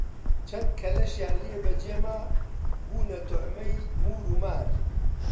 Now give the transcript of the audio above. چەند کەلەشیان لێ بە جێ ما، بوونە توعمەی موور و مار